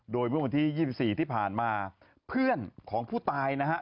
โดยเมื่อวันที่๒๔ที่ผ่านมาเพื่อนของผู้ตายนะฮะ